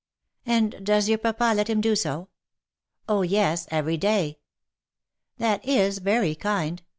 " And does your papa let him do so ?" u Oh ! yes, every day." " That is very kind.